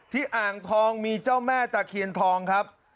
อ่างทองมีเจ้าแม่ตะเคียนทองครับ